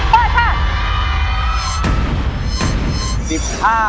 เปิดค่ะ